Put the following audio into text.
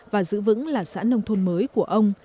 và giữ vững là xã nông thôn mới của ông